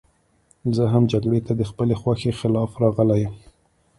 زه هم جګړې ته د خپلې خوښې خلاف راغلی یم